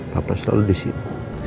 papa selalu disini